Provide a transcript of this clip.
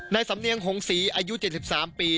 สำเนียงหงศรีอายุ๗๓ปี